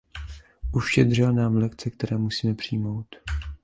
Uštědřila nám lekce, které musíme přijmout.